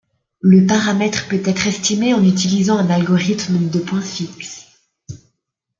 Le paramètre peut être estimé en utilisant un algorithme de point fixe.